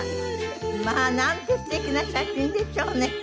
まあなんて素敵な写真でしょうね。